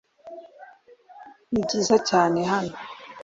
Nibyiza cyane hano .